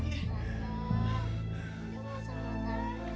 ke rumah sakit cepetan